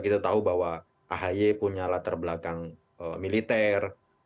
kita tahu bahwa ahy punya latar belakang militer